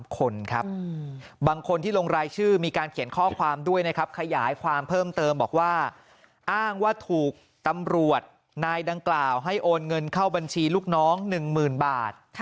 คนครับบางคนที่ลงรายชื่อมีการเขียนข้อความด้วยนะครับขยายความเพิ่มเติมบอกว่าอ้างว่าถูกตำรวจนายดังกล่าวให้โอนเงินเข้าบัญชีลูกน้อง๑๐๐๐บาท